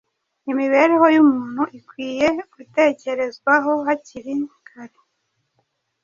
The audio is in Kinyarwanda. Imibereho y’umuntu ikwiye gutekerezwaho hakiri kar